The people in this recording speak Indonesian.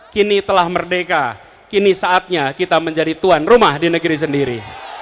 kini telah merdeka kini saatnya kita menjadi tuan rumah di negeri sendiri